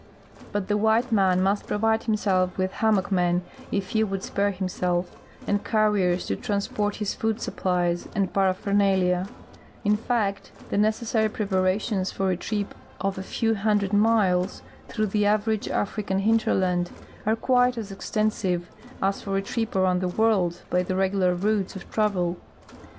But the white man must provide himself with hanimockmen, if he would spare himself, and carriers to transport his food supplies and paraphernalia; in fact, the necessary prei}arations for a trip of a few hundred miles through the average African hinterland are quite as extensive as for a trip around the Avorld b}^ the regu lar routes of travel.